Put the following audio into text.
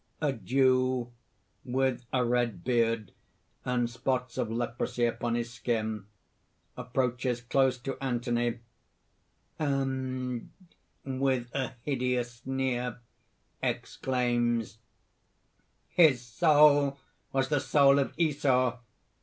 _) A JEW (with a red beard, and spots of leprosy upon his shin, approaches close to Anthony, and, with a hideous sneer, exclaims): "His soul was the soul of Esau!